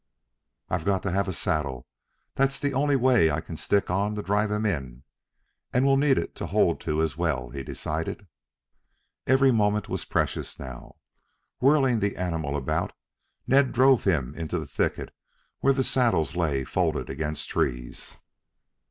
"I've got to have a saddle. That's the only way I can stick on to drive him in, and we'll need it to hold to as well," he decided. Every moment was precious now. Whirling the animal about, Ned drove him into the thicket where the saddles lay folded against trees.